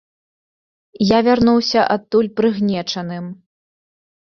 Я вярнуўся адтуль прыгнечаным.